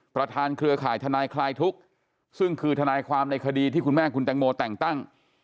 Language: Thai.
เครือข่ายทนายคลายทุกข์ซึ่งคือทนายความในคดีที่คุณแม่คุณแตงโมแต่งตั้ง